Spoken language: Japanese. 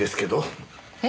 え？